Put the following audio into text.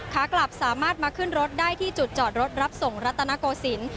ขากลับสามารถมาขึ้นรถได้ที่จุดจอดรถรับส่งรัตนโกศิลป์